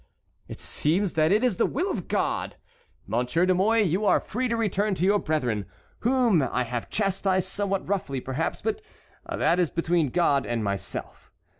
"It seems that it is the will of God! Monsieur de Mouy, you are free to return to your brethren, whom I have chastised somewhat roughly, perhaps, but that is between God and myself.